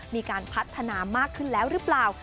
มีการพัฒนามากขึ้นแล้วหรือเปล่า